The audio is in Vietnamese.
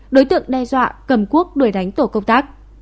đối tượng đe dọa cầm cuốc đuổi đánh tổ công tác